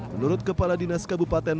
menurut kepala dinas kabupaten